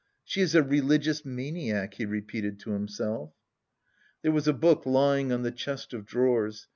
"She is a religious maniac!" he repeated to himself. There was a book lying on the chest of drawers.